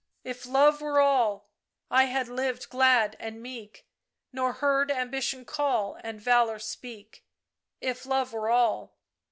" If Love were all ! I had lived glad and meek, Nor heard Ambition call And Valour speak, If Love were all